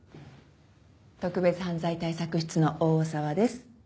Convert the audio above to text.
特別犯罪対策室の大澤です。